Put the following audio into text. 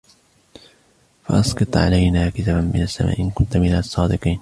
فَأَسْقِطْ عَلَيْنَا كِسَفًا مِنَ السَّمَاءِ إِنْ كُنْتَ مِنَ الصَّادِقِينَ